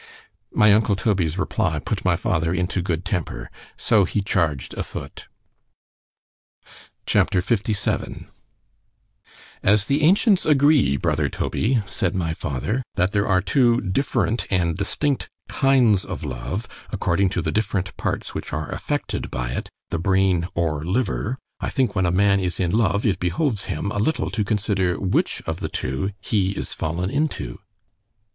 _ My uncle Toby's reply put my father into good temper—so he charg'd o' foot. C H A P. LVII AS the ancients agree, brother Toby, said my father, that there are two different and distinct kinds of love, according to the different parts which are affected by it—the Brain or Liver——I think when a man is in love, it behoves him a little to consider which of the two he is fallen into.